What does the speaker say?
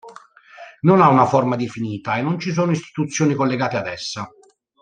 Non ha una forma definita e non ci sono istituzioni collegate ad essa.